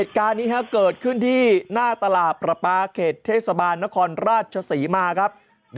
เหตุการณ์นี้เกิดขึ้นที่หน้าตลาดประปาเขตเทศบาลนครราชศรีมาครับ